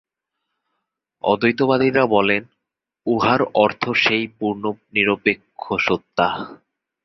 অদ্বৈতবাদীরা বলেন, উহার অর্থ সেই পূর্ণ নিরপেক্ষ সত্তা।